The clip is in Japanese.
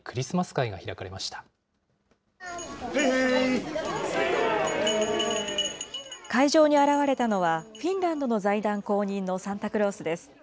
会場に現れたのは、フィンランドの財団公認のサンタクロースです。